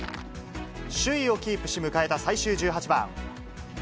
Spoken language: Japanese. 首位をキープし、迎えた最終１８番。